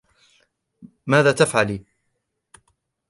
ماذا تفعلی ؟